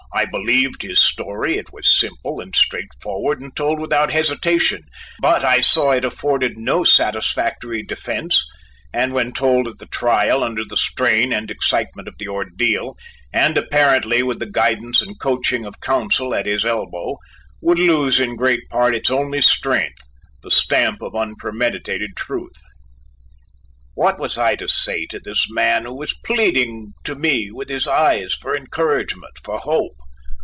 I believed his story: it was simple and straightforward and told without hesitation, but I saw it afforded no satisfactory defence and when told at the trial under the strain and excitement of the ordeal, and apparently with the guidance and coaching of counsel at his elbow, would lose in great part its only strength the stamp of unpremeditated truth. What was I to say to this man who was pleading to me with his eyes for encouragement, for hope?